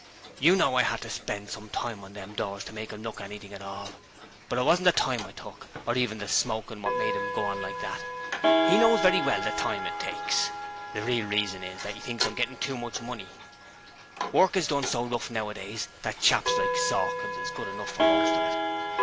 'You know I HAD to spend some time on them doors to make 'em look anything at all; but it wasn't the time I took, or even the smoking what made 'im go on like that. He knows very well the time it takes. The real reason is that he thinks I was gettin' too much money. Work is done so rough nowadays that chaps like Sawkins is good enough for most of it.